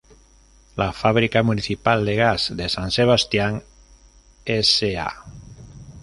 La Fábrica Municipal de gas de San Sebastián s. a.